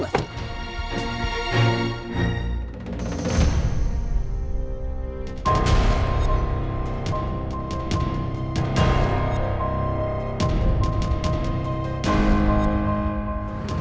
kenapa ngapain disini mas